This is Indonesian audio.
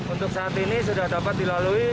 untuk saat ini sudah dapat dilalui